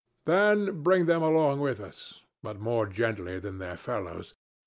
"Then bring them along with us, but more gently than their fellows.